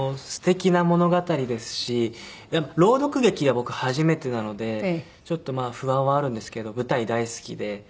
朗読劇は僕初めてなのでちょっとまあ不安はあるんですけど舞台大好きで。